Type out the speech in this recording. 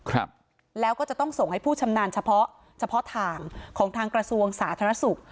เราก็จะต้องส่งให้ผู้ชำนานเฉพาะทางของทางกระทรวงสาธารณสุข